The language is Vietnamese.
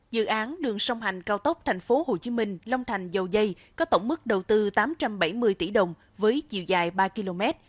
dự án đường sông hành cao tốc tp hcm long thành dầu dây có tổng mức đầu tư tám trăm bảy mươi tỷ đồng với chiều dài ba km